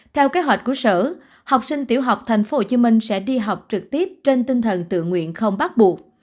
theo kế hoạch của sở học sinh tiểu học tp hcm sẽ đi học trực tiếp trên tinh thần tự nguyện không bắt buộc